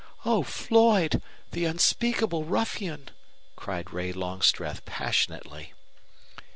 "Oh, Floyd! The unspeakable ruffian!" cried Ray Longstreth, passionately.